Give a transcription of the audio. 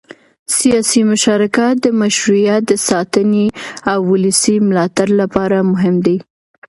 سیاسي مشارکت د مشروعیت د ساتنې او ولسي ملاتړ لپاره مهم دی